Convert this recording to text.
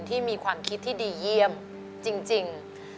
ที่มีความคิดที่ดีเยี่ยมจริง